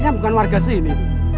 dia bukan warga sini